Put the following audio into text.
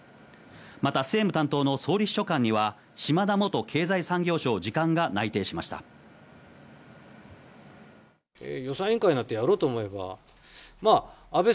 また政務担当の総理秘書官には嶋田元経済産業省次官が内定しました。